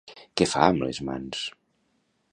Què fa amb les mans?